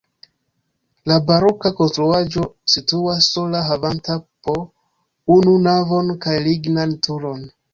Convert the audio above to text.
La baroka konstruaĵo situas sola havanta po unu navon kaj lignan turon.